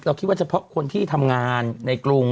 คิดว่าเฉพาะคนที่ทำงานในกรุง